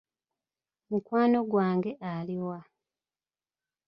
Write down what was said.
Mukwano gwange ali wa ?